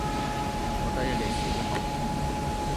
我得一隻小號